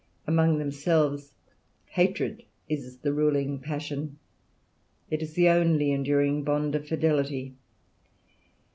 Among themselves hatred is the ruling passion; it is the only enduring bond of fidelity.